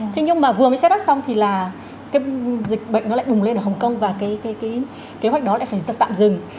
thế nhưng mà vừa mới set up xong thì là cái dịch bệnh nó lại bùng lên ở hồng kông và cái kế hoạch đó lại phải tạm dừng